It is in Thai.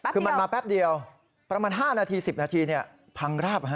คือมันมาแป๊บเดียวประมาณ๕นาที๑๐นาทีพังราบ